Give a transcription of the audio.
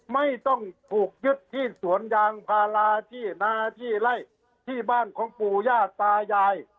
ไม่ต้องถูกยึดที่สวนยางพาราที่นาที่ไล่ที่บ้านของปู่ย่าตายาย